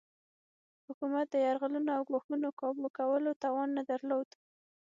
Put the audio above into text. حکومت د یرغلونو او ګواښونو کابو کولو توان نه درلود.